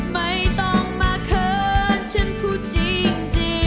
ไม่ต้องมาเขินฉันพูดจริง